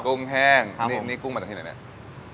กุ้งแห้งนี่กุ้งมาจากที่ไหนเนี่ย